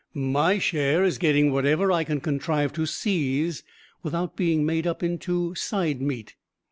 My share is getting whatever I can contrive to seize without being made up into Side Meat."